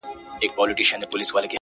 ذره غوندي وجود یې د اټوم زور شرمولی!!